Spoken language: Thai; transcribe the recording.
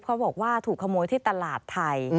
เขาบอกว่าถูกขโมยที่ตลาดไทย